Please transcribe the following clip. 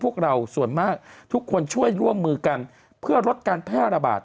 พวกเราส่วนมากทุกคนช่วยร่วมมือกันเพื่อลดการแพร่ระบาด